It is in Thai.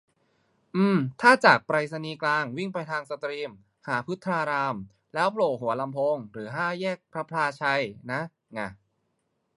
อืม ถ้าจากไปรษณีย์กลาง วิ่งไปทางสตรีมหาพฤตาราม แล้วโผล่หัวลำโพงหรือห้าแยกพลับพลาไชยนะ ง่ะ